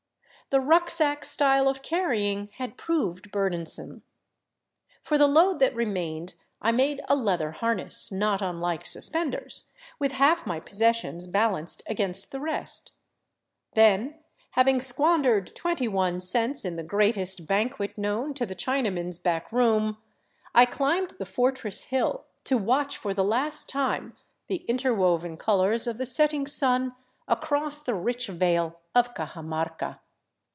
The rucksack style of carrying had proved burdensome. For the load that remained I made a leather harness, not unlike suspenders, with half my possessions balanced against the rest. Then, having squandered 21 cents in the greatest banquet known to the Chinaman's back room, I climbed the fortress hill to watch for the last time the interwoven colors of the setting sun across the rich vale of Cajamarca.